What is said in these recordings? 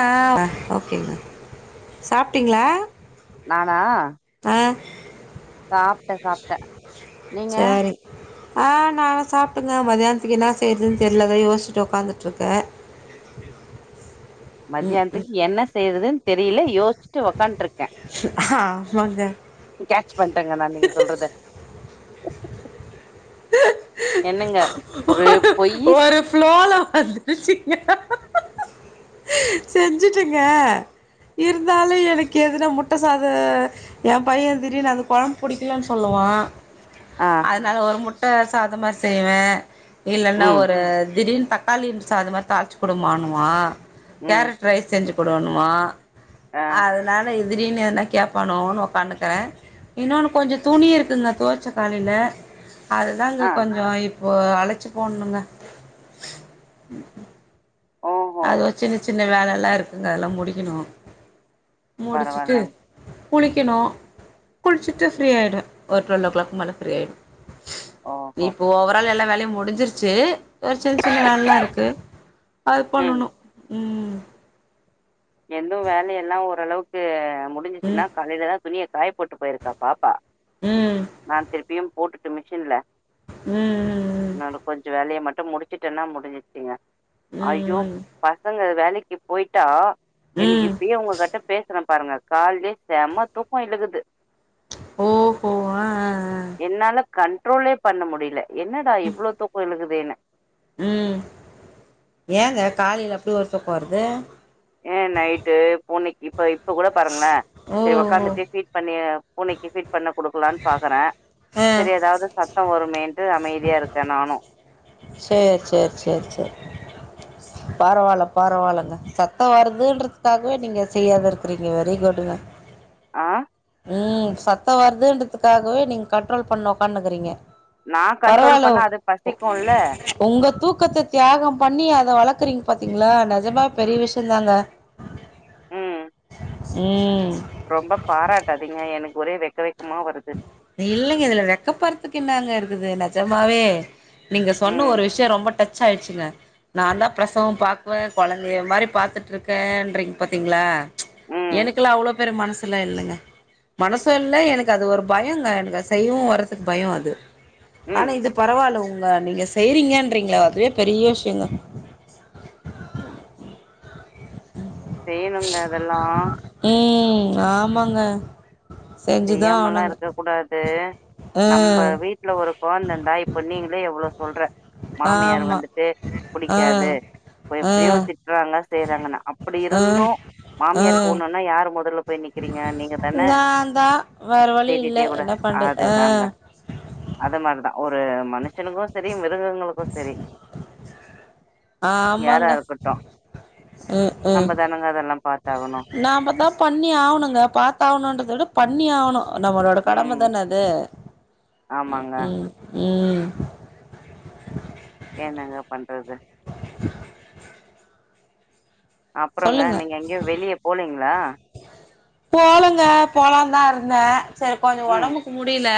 ஆ ஓகேங்க சாப்ட்டீங்ளா நானா அ சாப்ட்ட சாப்ட்ட நீங்க சரி ஆ நா சாப்ட்டங்க மதியானத்துக்கு இன்னா செய்யறதுன்னு தெர்ல அதா யோசிட்டு ஒக்காந்துட்டுருக்க மதியானத்துக்கு என்ன செய்யறதுன் தெரியல யோசிச்சுட்டு ஒக்கான்ட்டு இருக்க ஆமாங்க கேட்ச் பண்ட்டங்க நா நீங்க சொல்றத என்னங்க ஒரு பொய்யி ஒரு ஃப்ளோல வந்திருச்சுங்க செஞ்சுட்டங்க இருந்தாலு எனக்கு எதுன முட்ட சாத எ பைய திடீர்னு அந்த குழம்பு பிடிக்கலன்னனு சொல்லுவா ஆ அதனால ஒரு முட்ட சாத மாரி செய்வே இல்லன்னா ம் ஒரு திடீனு த க்காளி சாத மாரி தக்காளிச்சி குடுமாணுவா ம் கேரட் ரைஸ் செஞ்சு கொடுணுவா ஆ அதனால எதிரின்னு என்னா கேப்பானோன்னு உட்கான்னுக்கறே இன்னொன்னு கொஞ்சோ துணி இருக்குங்க துவச்சே காலைல அதுதாங்க ஆ கொஞ்சோ இப்போ அழச்சு ஃபோன் பண்ணே ஓ அது சின்ன சின்ன வேலையெல்லா இருக்குங்க அதெல்லா முடிக்கணு முடிச்சுட்டு பரவால்லங்க குளிக்கணு குளிச்சிட்டு ஃப்ரீயாயிடுவே ஒரு டுவல் ஓ கிளாக் மேல ஃப்ரீயாயிடு ஓஹோ இப்போ ஓவரால் எல்லா வேலையு முடிஞ்சிருச் சு ஒரு சின்ன சின்ன வேலைல்லா இருக்கு அது ம் பண்ணணு ம் ரொம்ப வேலயெல்லா ஓரளவுக்கு முடிஞ்சிச்சுன்னா ம் காலயில தா துணிய காய போட்டு போயிருக்காப்பா ப்பா ம் நா திருப்பியு போட்டுட்டு மிஷின்ல ம் என்னோட கொஞ்சோ வேலைய மட்டு முடிச்சுட்டேததனா முடிஞ்சுச்சுங்க ம் ஐய்யோ ம் பசங்க வேலைக்கு போய்ட்டா எனக்கு ம் இப்பயே உங்க கட்ட பேசுறே பாருங்க கால்லயே செம தூக்கோ இழுகுது ஓஹோ ஆ ஆ ஆ என்னால கண்ட்ரோலே பண்ண முடில என்னடா இவ்ளோ தூக்கோ எழுகுதேன்னு ம் ஏங்க காலைல அப்டி ஒரு தூக்கோ வருது ஏ நைட்டு பூனைக்கு இப்ப இப்ப கூட பாருங்களே சேரி ஓஹோ உக்காந்துட்டு ஃபீட் பண்ணி பூனைக்கு ஃபீட் பண்ண கொடுக்கலான்னு பாக்குறே ஆ சேரி எதாவ்து சத் த்தோ வருமேன்ட்டு அமைதியா இருக்கே நானு சேர் சேர் சேர் சேரி பரவால்ல பரவால்லங்க சத்தோ வருதுன்றதுக்காகவே நீங்க செய்யாத இருக்குறீங்க வெரி குட்டுங்க ஆஹ் ம் சத்தோ வருதுன்றதுக்காகவே நீங்க கண்ட்ரோல் பண்ணி உக்காந்துருக்குறீங்க நான் கண்ட்ரோல் பரவால பண்ணா அது பசிக்கும்ல. உங்க தூக்கத்த தியாகோ பண்ணி அத வளக்குறீங்க பாத்தீங்ளா நிஜமா பெரிய விஷயம்தாங்க ம். ம் ரொம்ப பாராட்டாதீங்க எனக்கு ஒரே வெக்க வெக்கமா வருது இல்லங்க இதுல வெக்கப்பறதுக்கு என்னாங்க இருக்குது நிஜமாவே நீங்க சொன்ன ம், ஒரு விஷயோ ரொம்ப டச் ஆயிடுச்சுங்க நாந்தா பிரசவோ பாக்குவே குழந்தைய மாரி பாத்துட்டு இருக்கேன்றீங்க பாத்தீங்ளா ம், எனக்குல்லா அவ்ளோ பெரிய மனசுலா இல்லங்க மனசு இல் எனக் அது ஒரு பயங்க எனக்கு செய்வு வரதுக்கு பயோ அது ஆனா ம். இது பரவால்ல உங்க நீங்க செய்றீங்கன்றீங்ள அதுவே பெரிய விஷயோங்க செய்ணுங்க அதெல்லா ம் ஆமாங்க சேரி செய்யாமல்லா இருக்க கூடாது நம்ம வீட்ல ஒரு குழந்தருந்தா இப்ப நீங்ளே எவ்ளோ சொல்ற ஆ மாமியார் ஆமா வந்துட்டு ஆ பிடிக்காது எப்டியு ஆ திட்டுறாங்க செய்றாங்கன்னு அப்டி ஆ இருந்து ஆ மாமியாருக்கு ஒண்ணுன்னா யாரு முதல்ல போய் நிக்கிறீங்க நீங்க தானே தா வேற வழி இல்ல என்ன பண்றது அதுதாங்க. ஆஹ் அது மாரிதா ஒரு மனுஷனுக்கு சரி மிருகங்களுக்கு சரி யாரா ஆமாங்க இருக்கட்டு ம் ம் நம்ப தானுங்க அதெல்லா பாத்தாகணு நாம தா பண்ணி ஆகணுங்க பாத்தாகனுன்றது விட பண்ணி ஆகணு நம்மளோட கடம ம். தான அது ஆமாங்க. ம் ம் ம் என்னங்க பண்றது [inaudible] அப்றோங்க சொல்லுங்க நீங்க எங்கயு வெளிய போலீங்களா போலங்க போலாந்தா இருந்தே செரி கொஞ்சோ ம். ஒடம்புக்கு முடியல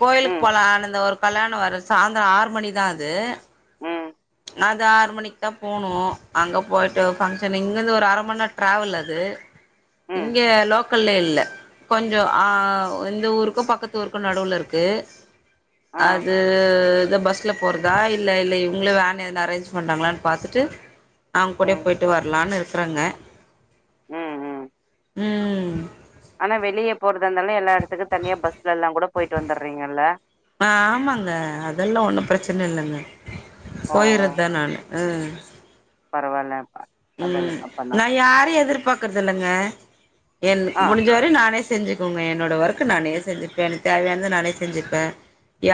கோயிலுக்கு ம். போலனு இந்த ஒரு கல்யாணோ வேற சாயந்தரோ ஆறு மணிதா அது ம் நா அது ஆறு மணிக்கு தா போனு அங்க போயிட்டு ஃபங்க்ஷனு இங்கருந்து ஒரு அர மந்நேரோ ட்ராவல் அது ம். இங்க லோக் கல்ல இல்ல கொஞ்சோ அ எ இந்த ஊருக்கு பக்கத்து ஊருக்கு நடுவுல இருக்கு ஆ. அது இத பஸ்ல போறதா இல்ல இல்ல இவுங்களே வேன் எதுனா அரேஞ்ச் பண்றாங்களானு பாத்துட்டு அவுங்க கூடே ம். போயிட்டு வர்லானு இருக்குறேங்க ம் ம் ம் ஆனா வெளியே போறது இருந்தாலு எல்லா எடத்துக்கு தனியா பஸ்ல எல்லா கூட போயிட்டு வந்துர்றீங்கல்ல ஆ ஆமாங்க அதெல்லா ஒன்னு பிரச்சன இல்லங்க ஓ போயிறது தா நானு ம் பரவால்லப்பா ம் நா யாரையு எதிர்பாக்குறது இல்லங்க என் ஆ முடிஞ்சவரையு நானே செஞ்சுக்கோங்க என்னோட ஒர்க்கு நானே செஞ்சுப்பே எனக்கு தேவையானத நானே செஞ்சுப்பே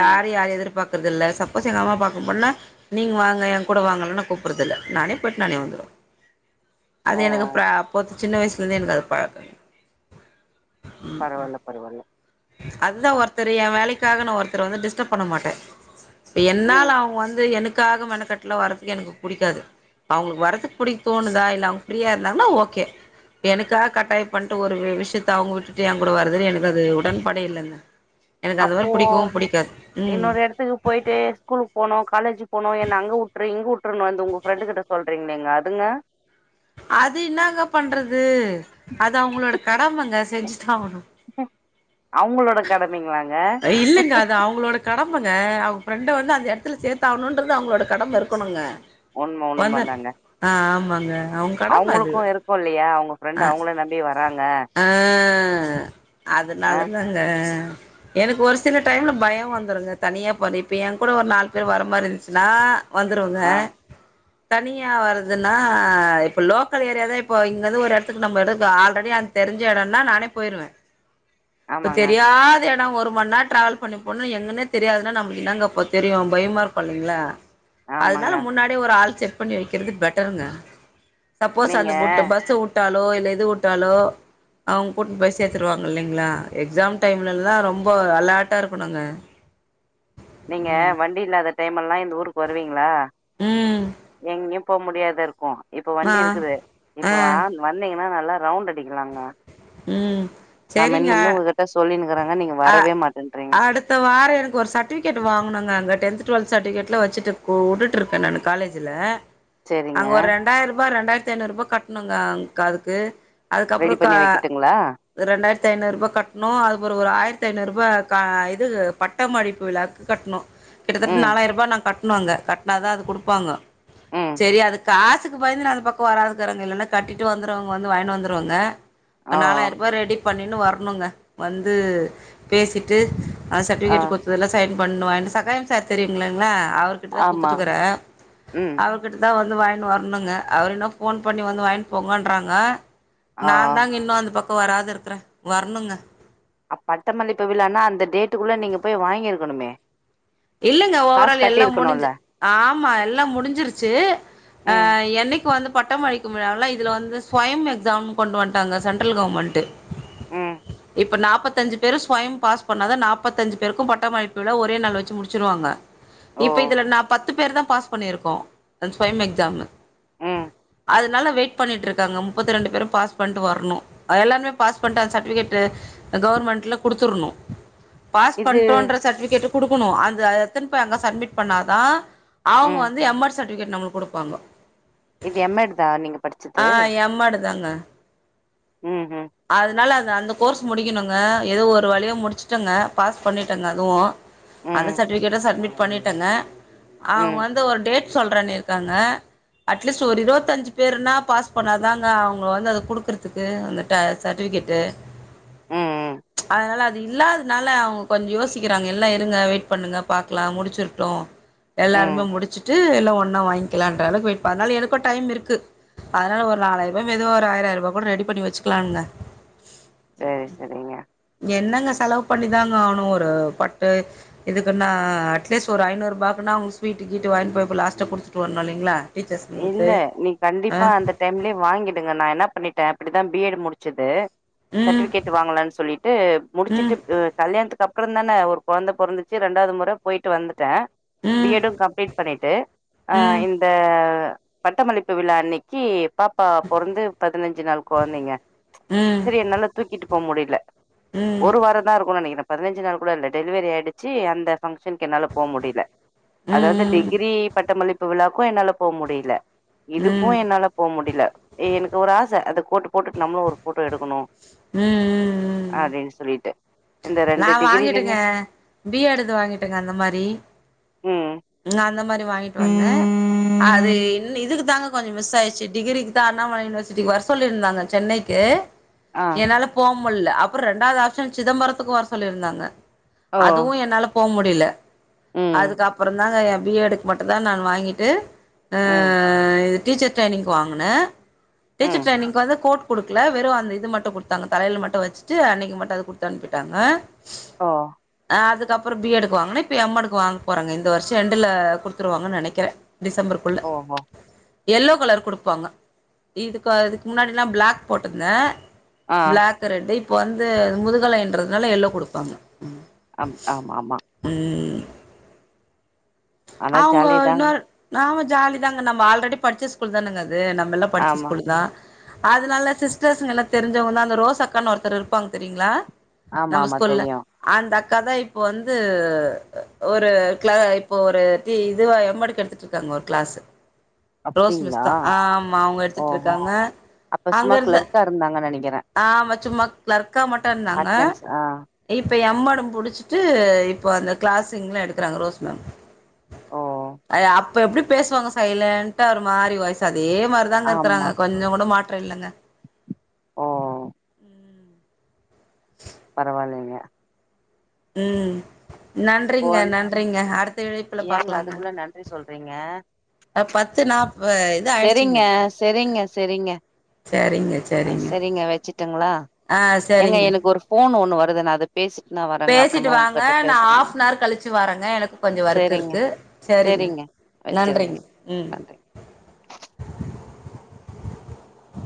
ம் யாரையு எதிர்பாக்குறதில்ல சப்போஸ் எங்க அம்மா பாக்க போனா நீங்க வாங்க ஏங்கூட வாங்கனு கூப்புட்றதுல்ல நானே போயிட் நானே வந்துருவ அது ஓ எனக்கு ப்ரா போது சின்ன வயசுல இருந்தே எனக்கு அது பழக்கோ பரவால்ல பரவால்ல அதுதா ஒருத்தர் ஏ வேலைக்காக நா ஒருத்தர வந்து டிஸ்டப் பண்ண மாட்டே இப்ப என்னால ம் அவுங்க வந்து எனக்காக மெனக்கட்டுல வர்றதுக்கு எனக்கு புடிக்காது அவங்களுக்கு வரதுக்கு பிடிக்க தோணுதா இல்ல அவங்க ஃப்ரீயா இருந்தாங்கனா ஓகே எனக்காக கட்டாய பண்ட்டு ஒரு விஷ்யத்த அவுங்க விட்டுட்டு ஏங்கூட வரதுல்ல எனக்கு அது உடன் பாடே இல்லங்க எனக்கு அது அப்போ மாரி பிடிக்கவு பிடிக்காது ம் இன்னொரு எடத்துக்கு போயிட்டு ஸ்கூலு போனு காலேஜு போனு என்ன அங்க வுட்ரு இங்க வுட்ருனு வந்து உங்க ஃப்ரெண்டு கிட்ட சொல்றீங்களேங்க அதுங்க அது இன்னாங்க பண்றது அது அவங்களோட கடமங்க செஞ்சுதா ஆகணு அவங்களோட கடமைங்களாங்க இல்லங்க அது அவங்களோட கடமங்க அவங்க ஃப்ரெண்ட வந்து அந்த எடத்துல சேத்தாகணுன்றது அவங்களோட கடம இருக்கணுங்க உண்ம வந்த ஆ ஆமாங்க அவுங் அவுங்களுக்கு இருக்கு இல்லையா அவுங்க ஃப்ரெண்டு அவுங்கள நம்பியே வராங்க ஆ ஆ அதுனால தாங்க எனக்கு ஒரு சில டைம்ல பயோ வந்துருங்க தனியா போற இப்ப ஏங்கூட ஒரு நாலு பேர் வர மாரிந்துச்சுன்னா வந்துருவங்க ஆ தனியாக வரதுன்னா இப்போ லோக்கல் ஏரியாவே இப்போ இங்கேருந்து ஒரு எடத்துக்கு நம்ம எடத்துக்கு ஆல்ரெடி அ தெரிஞ்ச எடம்னா நானே போயிருவே [inaudible] இப்ப தெரியா நா ஒரு மந்நேரோ ட்ராாவல் பண்ணி போனா எங்கன்னே தெரியாதுன்னா நமக்கு என்னங்கப்ப தெரியு பயமா இருக்கு இல்லைங்களா அதனால ஆமாங்க முன்னாடியே ஒரு ஆள் செட் பண்ணி வைக்கிறது பெட்டருங்க சப்போஸ் நீங்க அந்த புட்டு பஸ் வுட்டாலோ இல்ல எது வுட்டாலோ அவுங்க கூட்டுட்டு போய் சேத்துருவாங்க இல்லைங்களா எக்ஸாம் டைம்ல எல்லா ரொம்ப ரொம்ப அலாட்டா இருக்கணுங்க நீங்க ம் வண்டி இல்லாத டைமெல்லா இந்த ஊருக்கு வருவீங்ளா ம் எங்கயு போ முடியாத இருக்கு இப்ப ஆ வண்டி இருக்குது இப்ப ஆ வ வந்தீங்கன்னா நல்லா ரவுண்ட் அடிக்கலாங்க ம் நா மென் சரிங்க இந்து உங்ககிட்ட சொல்லினுக்கிறங்க நீங்க வரவே மாட்டேன்றீங்க இந்த வாரோ எனக்கு ஒரு சர்டிஃபிகேட் வாங்கனுங்க அங்க டென்த் டுவெல்த் சர்டிஃபிகேட்ல வச்சிட்டு வு வுட்டுட்டு இருக்கே நானு காலே ஜ்ல சரிங்க அங்க ஒரு ரெண்டாயர்பா ரெண்டாயிரத் ஐநூற்ரூபா கட்டணுங்க அங் அதுக்கு அதுக்கப்றோ க ங்ளா ரெண்டாயிரத்தி ஐநூற்பா கட்ணு அது போற ஒரு ஆயிரத்தி ஐநூற்பா க இது பட்டமளிப்பு விழாவுக்கு கட்ணு கிட்டத்தட்ட ம் நாலாயிர்பா நாங் கட்ணு அங்க கட்னாதா அது குடுப்பாங்க ம் செரி அது காசுக் க்கு பயந்து நா அந்த பக்கோ வராதுக்கிறங்க இல்லனா கட்டிட்டு வந்துருவங்க வந்து வாங்கினு வந்துருவங்க ஓ நாலாயிர்பா ரெடி பண்ணினு வரணுங்க வந்து பேசிட்டு அந்த ஆ சர்டிஃபிகேட் குடுத்ததுல சைன் பண்ணு வாங்ட்டு சகாயம் சார் தெரியுங்ளங்ளா அவுரு க்ட்டதா ஆமா குடுத்துட்டுக்ற ம் அவுரு கிட்ட தா வந்து வாங்கினு வரணுங்க அவுரு இன்னு ஃபோன் பண்ணி வந்து வாங்ன் போங்கன்றாங்க ஆ நா தாங்க இன்னு அந்த பக்கோ வராது இருக்றே வரணுங்க அ பட்டமளிப்பு விழானா அந்த டேட்டுக்குள்ள நீங்க போய் வாங்கிருக்கணுமே இல்லங்க காசு ஓவரால் எல்லா கட்டிருக்கணும்ல முடுஞ்சு ஆமா எல்லா முடுஞ்சிருச்சு அ ம் என்னைக்கு வந்து பட்டம் அளிக்கும் விழாவ்ல இதுல வந்து சொயம் எக்ஸாம் கொண்டு வன் ட்டாங்க சென்ட்ரல் கவர்மெண்ட்டு ம் இப்ப நாப்பத்தஞ்சு பேரு சொயம் பாஸ் பண்ணாத நாப்பந்தஞ்சு பேருக்கு பட்டமளிப்பு விழா ஒரே நாள் வச்சு முடு ச்சுருவாங்க ஓ இப்ப இதுல நா பத்து பேர் தா பாஸ் பண்ணி இருக்கோ அந் சொயம் எக்ஸாம்மு ம் அதனால வெயிட் பண்ணிட்டு இருக்காங்க முப்பத்தி ரெண்டு பேரு பாஸ் பண்ட்டு வர்ணு அது எல்லாருமே பாஸ் பண்ட்டா அந்த சர்டிஃபிகேட்டு கவர்மெண்ட்ல குடுத்துர்ணு பாஸ் இது பண்டோட்ற சர்டிஃபிகேட் குடுக்கணு அது அது எட்த்துன் போய் அங்க சப்மிட் பண்ணாதா அவுங்க ம் வந்து எம் எட் சர்டிஃபிகேட் நம்ளுக் குடுப்பாங்கோ இது எம் எடுதா நீங்க படிச்சது எட் தாங்க ம் ம் அதனால அது அந்த கோர்ஸ் முடிக்கணுங்க ஏதோ ஒரு வழியா முடிச்ட்டங்க பாஸ் பண்ணிட்டேங்க அதுவு அந்த ம் சர்டிஃபிகேட்டு சப்மிட் பண்ணிட்டேங்க அவுங்க ம் வந்து ஒரு டேட் சொல்றேனு இருக்காங்க அட்லீஸ்ட் ஒரு இருவத்தஞ்சு பேர்னா பாஸ் பண்ணாதாங்க அவுங்க வந்து அத குடுக்குறதுக்கு அந் ட்ட சர்டிஃபிகட்டு ம் ம் அதனால அது இல்லாதனால அவுங்க கொஞ்ச யோசிக்கிறாங்க எல்லா இருங்க வெயிட் பண்ணுங்க பாக்லா முடுச்சிர்ட்டு ம் எல்லாருமே முடுச்சுட்டு எல்லா ஒன்னா வாங்கிக்லான்றளவுக்கு வெயட் ப அதனால எனக்கு டைம் இருக்கு அதனால ஒரு நாலாயிர்பா. மெதுவா ஒரு ஆயர் ஆயர்பா கூட ரெடி பண்ணி வச்சுக்கலான்ங்க செரி செரிங்க என்னங்க செலவு பண்ணிதாங்க ஆகனு ஒரு பட்டு இதுக்குனா அட்லீஸ்ட் ஒரு ஐநூற்பாக்னா அவுங்க ஸ்வீட் கீட்டு வாங் போய் போ லாஸ்ட்டா குடுத்துட்டு வர்ணு இல்லைங்ளா இல்ல நீ கண்டிப்பா அந்த டைம்லயே வாங்கிடுங்க நா என்ன பண்ணிட்டே அப்டிதா பி எடு முடுச்சது ம் சர்ட்டிஃபிகேட் வாங்கலான் சொல்லிட்டு ம் முடுச்சுட்டு கல்யாண்த்துக்கு அப் ப்ற தான ஒரு கொழந்த பொறந்துச்சு ரெண்டாவது முற போயிட்டு வந்துட்டே பி ம் எடு கம்ப்ளீட் பண்ணிட்டு அ ம் இந்த அ பட்டமளிப்பு விழா அன்னைக்கு பாப்பா பொறந்து பதினஞ்சு நாள் கொழந்தைங்க ம் சரி என்னால தூக்கிட்டு போ முடில ம் ம் ஒரு வாரத் தா இருக்கு நெனைக்கிற பதினஞ்சு நாள் கூட இல்ல டெலிவரி ஆயிடுச்சு அந்த பங்ஷனுக்கு என்னால போ முடில ம் ம் அதாவ்து ம் டிகிரி பட்டமளிப்பு விழாக்கு என்னால போ முடில இதுக்கு ம் என்னால போ முடில எனக்கு ஒரு ஆச அந்த கோட்டு போட்டு நம்மளு ஒரு போட்டோ எடுக்கணு ம் அப்டின் சொல்லிட்டு இந்த நா ரெண்டு வாங்கிட்டங்க டிகிரிலயுமே பி எடுது வாங்கிட்டேங்க அந்த மாரி ம் நா அந்த மாரி வாங்கிட்டு வந்த அது ம் இதுக்கு தாங்க கொஞ்ச மிஸ் ஆயிச்சு டிகிரிக்கு தா அண்ணாமலை யூனிவர்சிட்டிக்கு வர சொல்லியிருந்தாங்க சென்னை க்கு ஆ என்னால போ முல்ல அப்றோ ரெண்டாவ்து ஆப்ஷன் சிதம்பரத்துக்கு வர சொல்லிருந்தாங்க ஓ அதுவு என்னால போ முடில ம் அதுக்கப்புற தாங்க என் பி ஏடு மட்டு தா நா வாங்கிட்டு ஆ ம் இது டீச்சர் ட்ரைனிங்க்கு வாங்குன டீச்சர் ம் ட்ரைனிங்க்கு வந்து கோட் குடுக்கல வெறு அந்த இது மட்டு குடுத்தாங்க தலையில மட்டு வச்சுட்டு அன்னக்கி மட்டு குடுத்தனுப்பி டாங்க ஓ அ அதுக்கப்புறோ பி ஏடுக்கு வாங்குன இப்போ எம் ஏடுக்கு வாங்க போறாங்க இந்த வருஷ எண்டுல குடுத்துருவாங்கன் நெனைக்கிற டிசம்பர்க்குள்ள ஓஹோ யெல்லோ கலர் குடுப்பாங்க இதுக்க இதுக்கு முன்னாடிலா பிளாக் போட்டுந்த ஆ பிளாக் ரெட்டு இப்ப வந்து முதுகலைன்றதுனால யெல்லோ குடுப்பாங்க அம் ஆம் ஆமா ம் ஆனா அவுங்கோ ஜாலிதாங்க இன்னொர் ஆமா ஜாலி தாங்க நம்ம ஆல்ரெடி படிச்ச ஸ்கூல் தானுங்க அது நம்மல்லா படிச்ச ஆமா ஸ்கூல்லு தா அதனால சிஸ்டர்ஸ்ங்களா தெரிஞ்சவங்க தா அந்த ரோஸ் அக்கான் ஒருத்தர் இருப்பாங்க தெரியுங்ளா ஆமா நம்ம ஆமா ஸ்கூல்ல தெரியு அந்த அக்கா தா இப்போ வந்து ஒரு கிளா இப்ப ஒரு இது இதுவா எம் எடுக்கு எடுத்துட்ருக்காங்க ஒரு கிளாஸ்ஸு ரோஸ் மிஸ் அப்டிங்களா தா ஆமா அவங்க ஓஹோ எடுத்துட்ருக்காங்க அப்ப அங்க சும்மா இருந்த கிளர்க்கா இருந்தாங்க நெனைக்கிறே ஆமா சும்மா கிளர்க்கா மட்டு இருந்தாங்க அட்னன்ஸ் ஆ இப்ப எம் ஏடு முடிச்சிட்டு இப்போ அந்த கிளாஸ்ங்லு எடுக்குறாங்க ரோஸ் மேம் ஓ அதா அப்ப எப்டி பேசுவாங்க சைலன்டா ஒரு மாரி வயசு அதே மாரிதாங்க ஆமா இருக்கறாங்க கொஞ்ச கூட மாட் ற்ற இல்லங்க ஆ பரவாயில்லைங்க ம் இப்போ நன்றிங்க நன்றிங்க அடுத்த இழைப்புல ஏங்க பாக்கலாங்க அதுக்குள்ள நன்றி சொல்றீங்க அ பத்து நாப்பா செரிங்க செரிங்க செரிங்க சரிங்க அ சரிங்க செரிங்க வச்சுட்டுங்ளா ஆ ஏங்க சரிங்க எனக்கு ஒரு ஃபோன் ஒண்ணு வருது நா அது பேசிட்டு வாங்க நா ஆஃப்னர் கழிச்சு வாரேங்க எனக்கு கொஞ்ச ஒர்க் செரிங்க இருக்கு செரிங்க நன்றிங்க ம் நன்றி [inaudible]